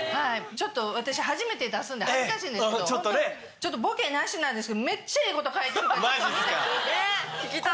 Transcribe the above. ちょっと私初めて出すんで恥ずかしいんですけどボケなしなんですけどめっちゃええこと書いてるからちょっとみんな聞いて！